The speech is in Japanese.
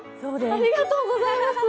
ありがとうございます。